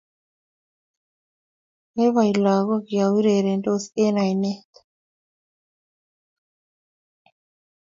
Boiboi lagok ya urerensot eng' oinet